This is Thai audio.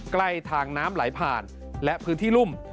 ใกล้ทางน้ำไหลผ่านและพื้นที่รุ่ม